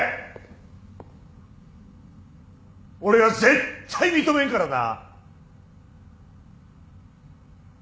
俺は絶対認めんからな！